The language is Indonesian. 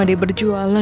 dengan tujuan kamu